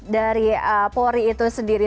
dari polri itu sendiri